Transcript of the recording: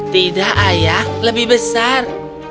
tidak ayah lebih besar